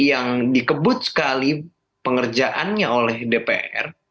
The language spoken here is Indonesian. yang dikebut sekali pengerjaannya oleh dpr